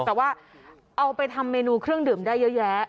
แต่ว่าเอาไปทำเมนูเครื่องดื่มได้เยอะแยะ